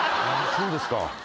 そうですか。